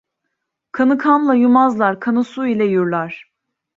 Kanı kanla yumazlar, kanı su ile yurlar.